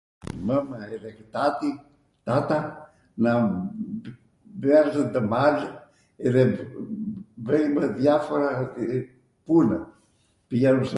mwma edhe tati, tata na mbledhwn ndw mal edhe bwjmw dhiafora punw.